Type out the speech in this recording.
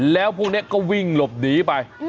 แล้วพวกนี้ก็วิ่งหลบหนีไป